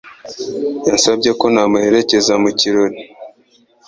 Yansabye ko namuherekeza mu kirori.